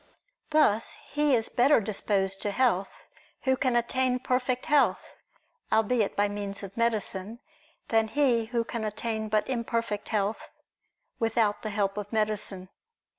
Thus he is better disposed to health who can attain perfect health, albeit by means of medicine, than he who can attain but imperfect health, without the help of medicine.